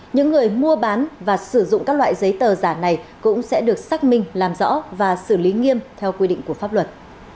những người mua bán và sử dụng các loại giấy tờ giả này cũng sẽ được xác minh làm rõ và xử lý nghiêm theo quy định của pháp luật